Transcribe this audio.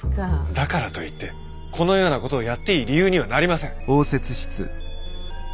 だからといってこのような事をやっていい理由にはなりません。